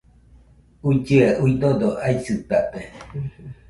uillɨe, udodo aisɨtate